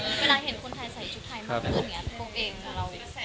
เวลาเห็นคนไทยใส่ชุดไทยมากขึ้นอย่างนี้ตัวเอง